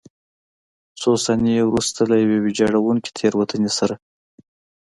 څو ثانیې وروسته له یوې ویجاړوونکې تېروتنې سره.